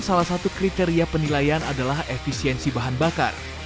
salah satu kriteria penilaian adalah efisiensi bahan bakar